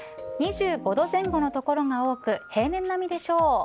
２５度前後の所が多く平年並みでしょう。